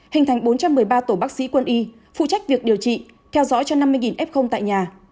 hình thành bốn trăm một mươi ba tổ bác sĩ quân y phụ trách việc điều trị theo dõi cho năm mươi f tại nhà